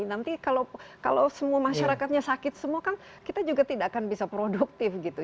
nanti kalau semua masyarakatnya sakit semua kan kita juga tidak akan bisa produktif gitu